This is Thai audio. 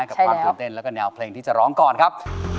กับความตื่นเต้นแล้วก็แนวเพลงที่จะร้องก่อนครับ